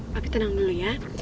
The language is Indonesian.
pak pi tenang dulu ya